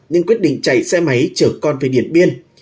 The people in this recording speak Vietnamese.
nên quyết định chạy xe máy chở con về điển biên